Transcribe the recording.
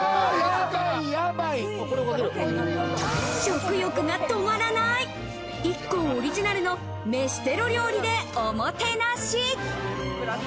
食欲が止まらない、ＩＫＫＯオリジナルの飯テロ料理でおもてなし。